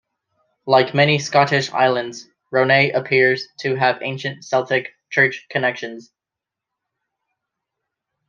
Like many Scottish islands, Ronay appears to have ancient Celtic church connections.